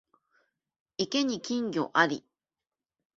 池に金魚あり